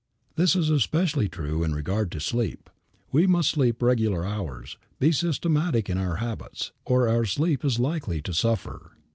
This is especially true in regard to sleep. We must keep regular hours, be systematic in our habits, or our sleep is likely to suffer.